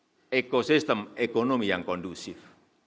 dan didukung oleh ekosistem ekonomi yang kondusif